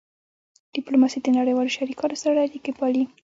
ډیپلوماسي د نړیوالو شریکانو سره اړیکې پالي.